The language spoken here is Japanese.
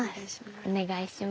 お願いします。